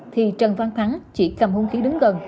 thì trần văn thắng chỉ cầm hung khí đứng gần